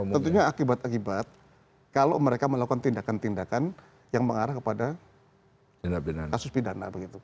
tentunya akibat akibat kalau mereka melakukan tindakan tindakan yang mengarah kepada kasus pidana